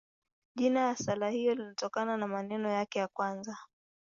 Jina la sala hiyo linatokana na maneno yake ya kwanza.